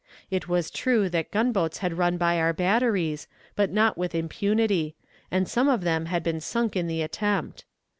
It was true that gunboats had run by our batteries, but not with impunity, and some of them had been sunk in the attempt.